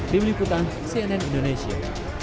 dimaliputan cnn indonesia